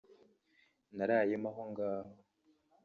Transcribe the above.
narayemo aho ngaho